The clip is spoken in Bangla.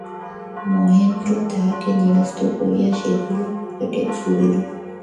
মহেন্দ্র তাহাকে নিরস্ত করিয়া সেগুলি পকেটে পুরিল।